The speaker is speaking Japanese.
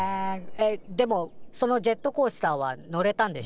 えでもそのジェットコースターは乗れたんでしょ？